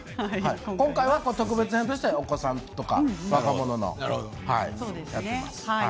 今回は特別編としてお子様とか若者のとしてやってます。